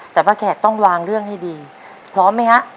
แต่ป้าแขกต้องวางเรื่องให้ดีพร้อมไหมฮะ